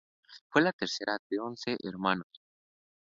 Fue la tercera de once hermanos.